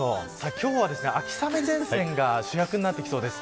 今日は秋雨前線が主役になってきそうです。